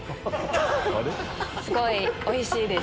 すごいおいしいです。